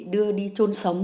đưa đi trôn sống